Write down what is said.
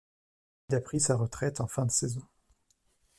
Il a pris sa retraite en fin de saison.